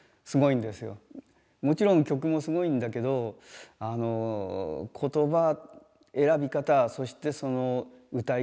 もちろん曲もすごいんだけどあの言葉選び方そしてその歌い方。